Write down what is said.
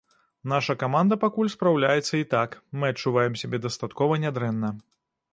Наша каманда пакуль спраўляецца і так, мы адчуваем сябе дастаткова нядрэнна.